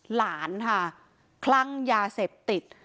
หลานค่ะคลั่งยาเสพติด